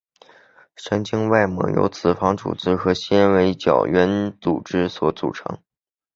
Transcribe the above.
神经外膜由脂肪组织与纤维胶原组织所组成。